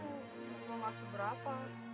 enggak masuk berapa